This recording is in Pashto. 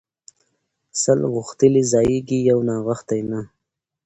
ـ سل غوښتلي ځايږي يو ناغښتى نه.